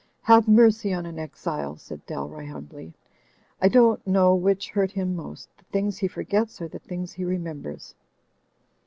"Have mercy on an exile," said Dalroy, humbly. "I don't know which hurt him most, the things he for gets or the things he remembers."